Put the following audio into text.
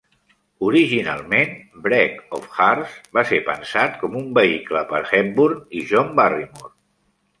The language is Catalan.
Originalment "Break of Hearts" va ser pensat com un vehicle per Hepburn i John Barrymore.